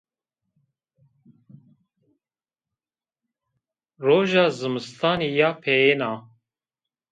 Roja zimistanî ya peyên a